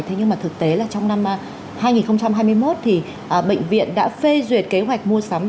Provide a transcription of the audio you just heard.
thế nhưng mà thực tế là trong năm hai nghìn hai mươi một bệnh viện đã phê duyệt kế hoạch mua sắm